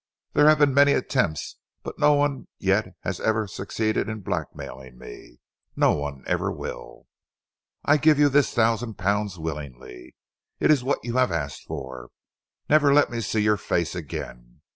There have been many attempts but no one yet has ever succeeded in blackmailing me. No one ever will. I give you this thousand pounds willingly. It is what you have asked for. Never let me see your face again.